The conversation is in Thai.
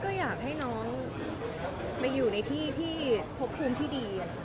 ก็อยากให้น้องไปอยู่ในที่ที่พบความช่วยคุมดั่งที่ดี